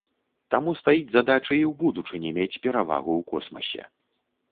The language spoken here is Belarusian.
Таму стаіць задача і ў будучыні мець перавагу ў космасе.